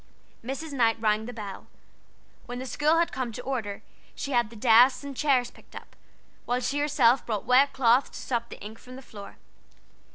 Mrs. Knight rang the bell. When the school had come to order, she had the desks and chairs picked up, while she herself brought wet cloths to sop the ink from the floor.